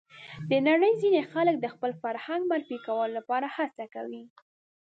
د نړۍ ځینې خلک د خپل فرهنګ معرفي کولو لپاره هڅه کوي.